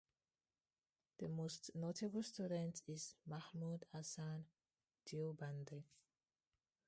His most notable student is Mahmud Hasan Deobandi.